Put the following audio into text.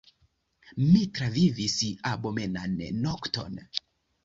Mi travivis abomenan nokton.